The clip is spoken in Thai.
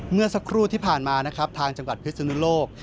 เมื่อสักครู่ที่ผ่านมานะครับทางจังหวัดพิศนุโลก